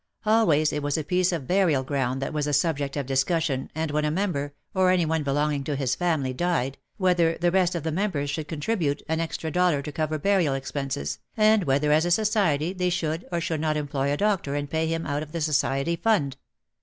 Always it was a piece of burial ground that was the subject of discussion and when a member, or any one belonging to his family, died, whether the rest of the members should contribute an extra dollar to cover burial expenses, and whether as a society they should or should not employ a doctor and pay him out of the society fund.